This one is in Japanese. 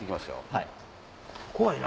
はい。